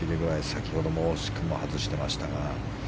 先ほども惜しくも外してましたが。